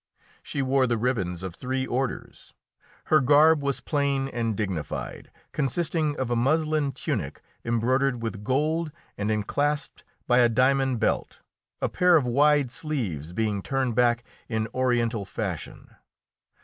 She wore the ribbons of three orders. Her garb was plain and dignified, consisting of a muslin tunic embroidered with gold and enclasped by a diamond belt, a pair of wide sleeves being turned back in oriental fashion.